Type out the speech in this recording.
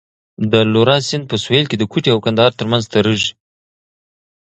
د لورا سیند په سوېل کې د کویټې او کندهار ترمنځ تېرېږي.